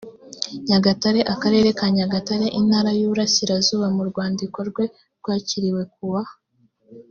nyagatare akarere ka nyagatare intara y iburasirazuba mu rwandiko rwe rwakiriwe kuwa